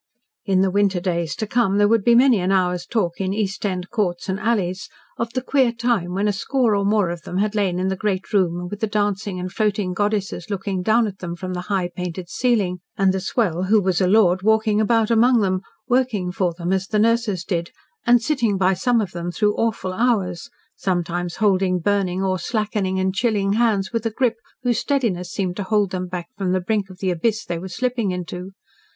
In the winter days to come there would be many an hour's talk in East End courts and alleys of the queer time when a score or more of them had lain in the great room with the dancing and floating goddesses looking down at them from the high, painted ceiling, and the swell, who was a lord, walking about among them, working for them as the nurses did, and sitting by some of them through awful hours, sometimes holding burning or slackening and chilling hands with a grip whose steadiness seemed to hold them back from the brink of the abyss they were slipping into.